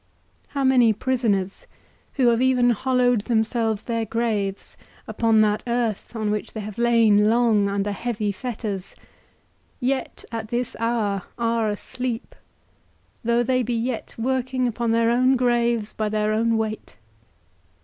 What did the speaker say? How many prisoners, who have even hollowed themselves their graves upon that earth on which they have lain long under heavy fetters, yet at this hour are asleep, though they be yet working upon their own graves by their own weight?